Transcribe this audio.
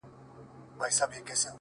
اوس هيڅ خبري مه كوی يارانو ليـونيانـو؛